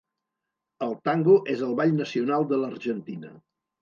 El tango és el ball nacional de l'Argentina.